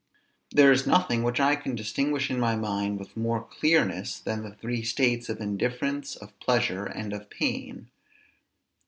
There is nothing which I can distinguish in my mind with more clearness than the three states, of indifference, of pleasure, and of pain.